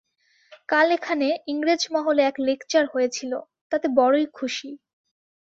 কাল এখানে ইংরেজ-মহলে এক লেকচার হয়েছিল, তাতে বড়ই খুশী।